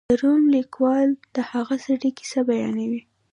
د روم لیکوال د هغه سړي کیسه بیانوي.